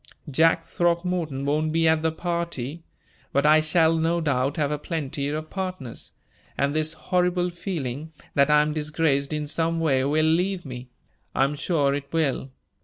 Jack Throckmorton won't be at the party, but I shall no doubt have a plenty of partners, and this horrible feeling that I am disgraced in some way will leave me; I am sure it will.